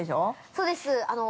◆そうです。